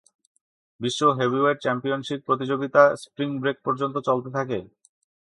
বিশ্ব heavyweight championship প্রতিযোগিতা spring break পর্যন্ত চলতে থাকে।